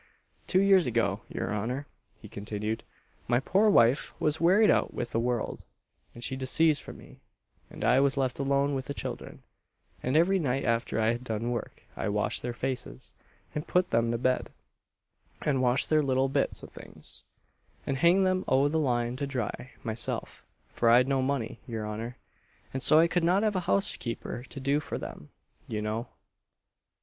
"Two years ago, your honour," he continued, "my poor wife was wearied out with the world, and she deceased from me, and I was left alone with the children; and every night after I had done work I washed their faces, and put them to bed, and washed their little bits o'things, and hanged them o' the line to dry, myself for I'd no money, your honour, and so I could not have a housekeeper to do for them, you know.